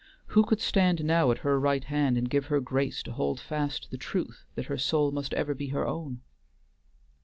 Who could stand now at her right hand and give her grace to hold fast the truth that her soul must ever be her own?